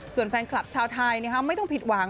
ส่วนแฟนคลับชาวไทยไม่ต้องผิดหวัง